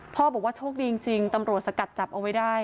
บอกว่าโชคดีจริงตำรวจสกัดจับเอาไว้ได้